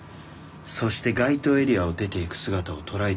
そして該当エリアを出ていく姿を捉えていない。